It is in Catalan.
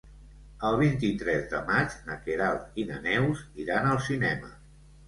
El vint-i-tres de maig na Queralt i na Neus iran al cinema.